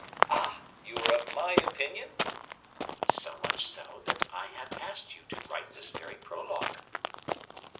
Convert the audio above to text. "Ah! you are of my opinion?" "So much so, that I have asked you to write this very prologue."